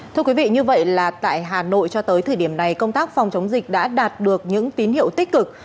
thưa quý vị như vậy là tại hà nội cho tới thời điểm này công tác phòng chống dịch đã đạt được những tín hiệu tích cực